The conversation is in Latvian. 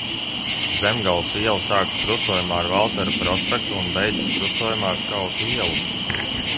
Zemgales iela sākas krustojumā ar Valtera prospektu un beidzas krustojumā ar Skautu ielu.